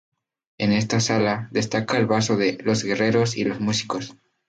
En esta sala, destaca el vaso de "Los Guerreros y los Músicos".